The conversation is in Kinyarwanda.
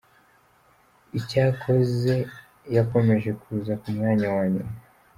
Icyakoze yakomeje kuza ku mwanya wa nyuma.